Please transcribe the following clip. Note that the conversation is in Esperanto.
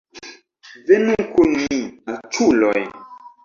Venu kun mi, aĉuloj